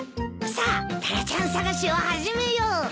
さあタラちゃん捜しを始めよう。